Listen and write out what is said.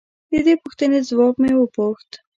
د دې پوښتنې ځواب مې وپوښت.